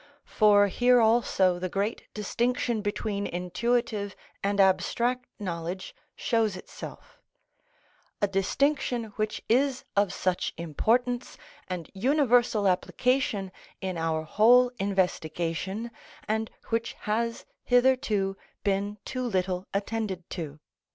For here also the great distinction between intuitive and abstract knowledge shows itself; a distinction which is of such importance and universal application in our whole investigation, and which has hitherto been too little attended to.